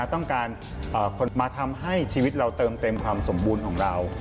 ต้องการมาทำให้ชีวิตเราเติมเต็มความสมบูรณ์ของเรา